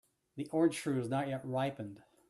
The orange fruit is not yet ripened.